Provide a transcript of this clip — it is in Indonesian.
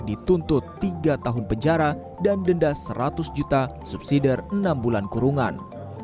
dituntut tiga tahun penjara dan denda seratus juta subsidi enam bulan kurungan